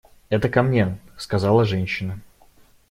– Это ко мне, – сказала женщина.